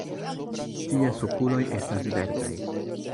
Ties okuloj estas verdaj.